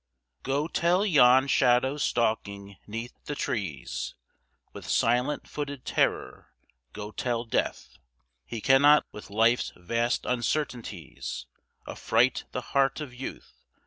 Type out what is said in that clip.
Go tell yon shadow stalking 'neath the trees With silent footed terror, go tell Death He cannot with Life's vast uncertainties Affright the heart of Youth